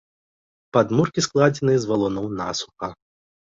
Падмуркі складзены з валуноў насуха.